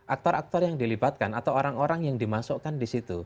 aktor aktor yang dilibatkan atau orang orang yang dimasukkan di situ